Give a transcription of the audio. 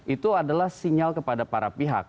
itu adalah sinyal kepada para pihak